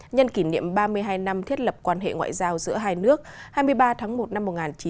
nhân kỷ niệm ba mươi hai năm thiết lập quan hệ ngoại giao giữa hai nước hai mươi ba tháng một năm một nghìn chín trăm bảy mươi năm